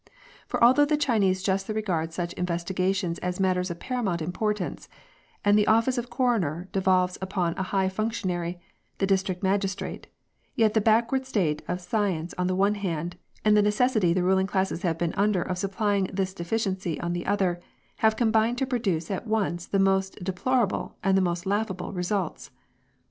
For although the Chinese justly regard such investi gations as matters of paramount importance, and the office of coroner devolves upon a high functionary — the district magistrate — yet the backward state of science on the one hand, and the necessity the ruling classes have been under of supplying this deficiency on the other, have combined to produce at once the most deplorable and the most laughable results.